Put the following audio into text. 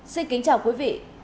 xin kính chào quý vị